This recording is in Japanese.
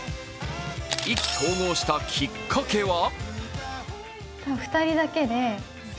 意気投合したきっかけは？